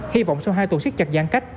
hy vọng sau hai tuần siết chặt giãn cách